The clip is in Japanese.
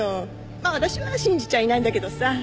まあ私は信じちゃいないんだけどさ。